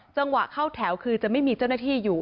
จังหวะเข้าแถวคือจะไม่มีเจ้าหน้าที่อยู่